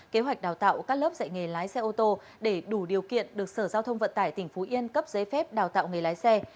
kế hoạch đào tạo các lớp dạy nghề lái xe ô tô để đủ điều kiện được sở giao thông vận tải tỉnh phú yên cấp giấy phép đào tạo nghề lái xe